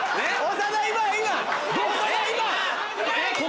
長田今！